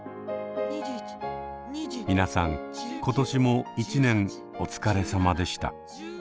皆さん今年も一年お疲れさまでした。